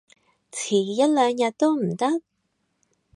遲一兩日都唔得？